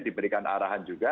diberikan arahan juga